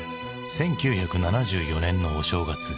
１９７４年のお正月。